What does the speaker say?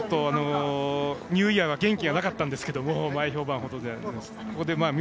ニューイヤーが元気がなかったんですけど前評判ほどは。